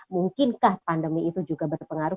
mungkinkah pandemi itu juga berpengaruh